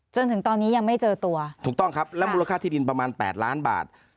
จนถึงตอนนี้ยังไม่เจอตัวถูกต้องครับแล้วธุรกภาพพิธีประมาณแปดหลานบาท